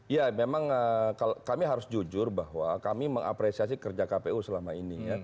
ya memang kami harus jujur bahwa kami mengapresiasi kerja kpu selama ini ya